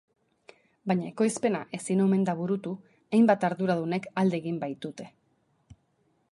Baina ekoizpena ezin omen da burutu, hainbat arduradunek alde egin baitute.